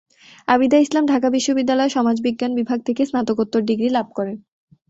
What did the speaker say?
আবিদা ইসলাম ঢাকা বিশ্ববিদ্যালয়ের সমাজবিজ্ঞান বিভাগ থেকে স্নাতকোত্তর ডিগ্রি লাভ করেন।